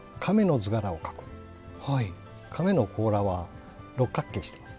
亀の甲羅は六角形してます。